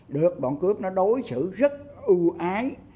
được bọn cướp nó đối xử rất ưu ái